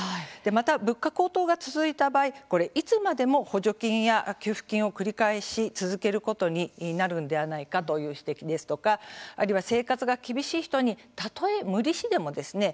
また、物価高騰が続いた場合いつまでも補助金や給付金を繰り返し続けることになるんではないかという指摘ですとか、あるいは生活が厳しい人にたとえ無利子でもですね